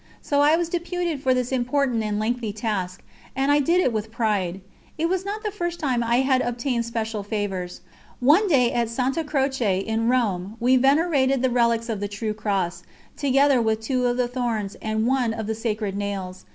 So I was deputed for this important and lengthy task, and I did it with pride. It was not the first time I had obtained special favours. One day, at Santa Croce, in Rome, we venerated the relics of the True Cross, together with two of the Thorns, and one of the Sacred Nails.